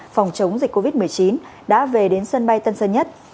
phòng chống dịch covid một mươi chín đã về đến sân bay tân sơn nhất